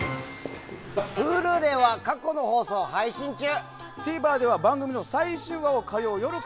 Ｈｕｌｕでは過去の放送を配信中。